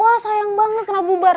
wah sayang banget kena bubar